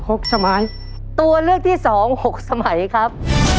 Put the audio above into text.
หกสมัยตัวเลือกที่สองหกสมัยครับ